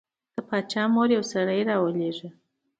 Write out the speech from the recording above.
د باچا مور یو سړی راولېږه.